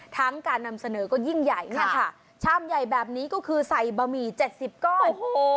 ทั้งการนำเสนอก็ยิ่งใหญ่ค่ะชามใหญ่แบบนี้คือใส่บะหมี่๗๐ก้อน